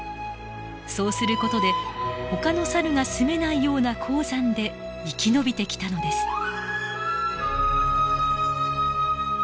そうする事でほかのサルが住めないような高山で生き延びてきたのです。